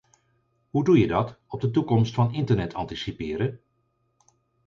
Hoe doe je dat, op de toekomst van internet anticiperen?